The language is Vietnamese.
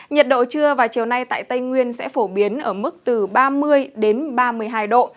nhiệt độ trưa và chiều nay tại tây nguyên sẽ phổ biến ở mức từ ba mươi đến ba mươi hai độ